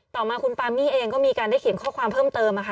ต่อมาคุณปามี่เองก็มีการได้เขียนข้อความเพิ่มเติมนะคะ